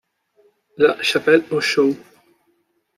La Chapelle-aux-Choux